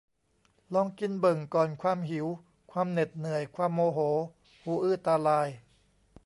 ลองกินเบิ่งก่อน ความหิว ความเหน็ดเหนื่อย ความโมโห หูอื้อตาลาย